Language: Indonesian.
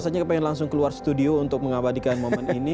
rasanya pengen langsung keluar studio untuk mengabadikan momen ini